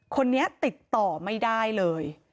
คนนี้ติดต่อไม่ได้เลย